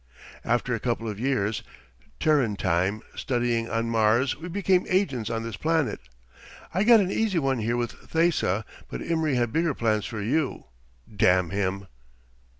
After a couple of years, Terran time, studying on Mars we became agents on this planet. I got an easy one here with Thesa, but Imry had bigger plans for you. Damn him!"